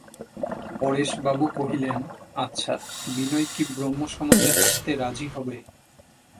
পরেশবাবু কহিলেন, আচ্ছা, বিনয় কি ব্রাহ্মসমাজে আসতে রাজি হবে?